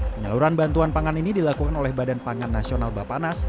penyaluran bantuan pangan ini dilakukan oleh badan pangan nasional bapanas